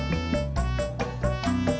sudah ada seratus dolar tadi